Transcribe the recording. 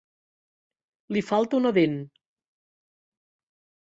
Li falta una dent!